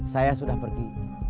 saya sudah pergi